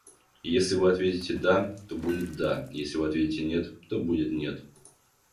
Если вы ответите да, то будет да, если вы ответите нет, то будет нет.